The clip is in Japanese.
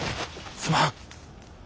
すまん。